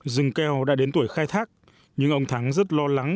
rừng keo đã đến tuổi khai thác nhưng ông thắng rất lo lắng